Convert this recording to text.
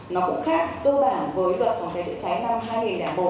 nó cũng khác cơ bản với luật phòng cháy chữa cháy năm hai nghìn bốn